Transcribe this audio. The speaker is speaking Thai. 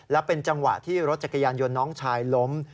และเป็นจังหวะที่รถจักรยานยนต์น้องชายล้ม